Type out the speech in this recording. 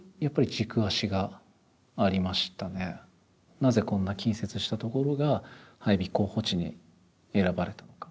なぜこんな近接した所が配備候補地に選ばれたのか。